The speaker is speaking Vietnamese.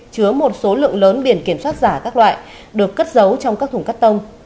chứa một số lượng lớn biển kiểm soát giả các loại được cất giấu trong các thùng cắt tông